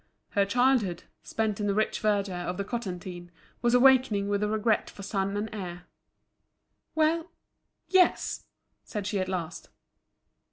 Her childhood, spent in the rich verdure of the Cotentin, was awakening with a regret for sun and air. "Well! yes," said she at last.